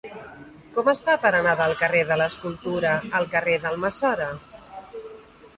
Com es fa per anar del carrer de l'Escultura al carrer d'Almassora?